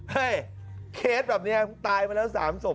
เคสแบบนี้ตายมาแล้ว๓ศพ